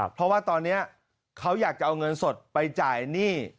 เพราะว่าตอนนี้เขาอยากจะเอาเงินสดไปจ่ายหนี้